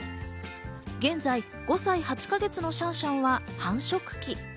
現在５歳８か月のシャンシャンは繁殖期。